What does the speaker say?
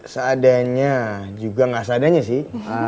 seadanya juga nggak seadanya sih